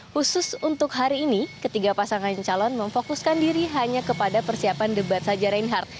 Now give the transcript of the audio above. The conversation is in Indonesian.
khusus untuk hari ini ketiga pasangan calon memfokuskan diri hanya kepada persiapan debat saja reinhardt